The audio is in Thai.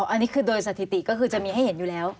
อันนี้คือโดยสถิติก็คือจะมีให้เห็นอยู่แล้ว